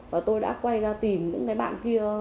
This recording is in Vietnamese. và tôi đã quay ra tìm những bạn kia